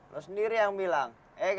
lo sendiri yang bilang